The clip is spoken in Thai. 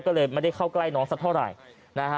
ก็เลยไม่ได้เข้าใกล้น้องสักเท่าไหร่นะฮะ